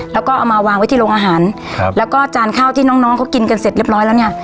แล้วก็เอามาวางไว้ที่โรงอาหารครับแล้วก็จานข้าวที่น้องน้องเขากินกันเสร็จเรียบร้อยแล้วเนี่ย